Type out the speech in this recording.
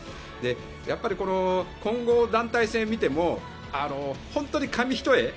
やっぱり、混合団体戦を見ても本当に紙一重。